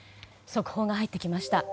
速報が入ってきました。